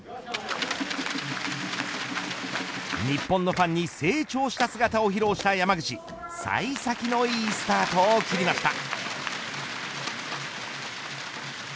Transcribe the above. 日本のファンに成長した姿を披露した山口幸先のいいスタートを切りました。